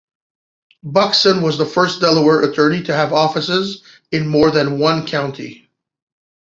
Buckson was the first Delaware attorney to have offices in more than one county.